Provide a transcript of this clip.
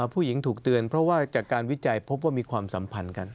ผู้หญิงถูกเตือนเพราะว่าจากการวิจัยพบว่ามีความสัมพันธ์กัน